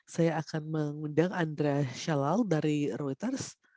saya akan mengundang andrea shalal dari reuters